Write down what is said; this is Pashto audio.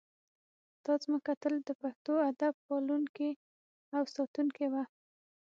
دا ځمکه تل د پښتو ادب پالونکې او ساتونکې وه